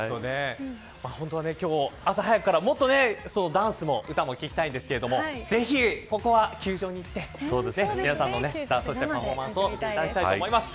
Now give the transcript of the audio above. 本当は、今日朝早くからダンスも歌も聞きたいんですけどぜひここは、球場に行って皆さんのパフォーマンスを見てほしいと思います。